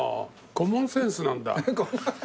コモンセンスなんだ。